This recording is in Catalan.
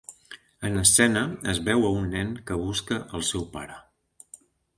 En escena es veu a un nen que busca al seu pare.